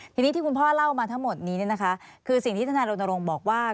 ทีนี้ที่คุณพ่อเล่ามาทั้งหมดนี้คือสิ่งที่ทนายรณรงค์บอกว่า